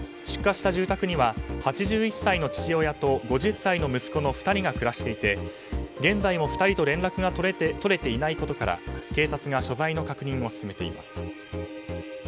出火した住宅には８１歳の父親と５０歳の息子の２人が暮らしていて現在も２人と連絡がとれていないことから警察が所在の確認を進めています。